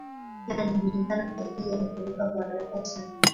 Pia anajulikana kwa ajili ya kuruka kwa haraka sana.